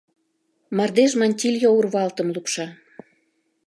Мардеж мантилья урвалтым лупша.